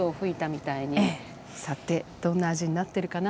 さてどんな味になってるかな？